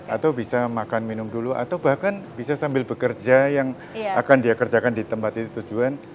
atau bisa makan minum dulu atau bahkan bisa sambil bekerja yang akan dia kerjakan di tempat itu tujuan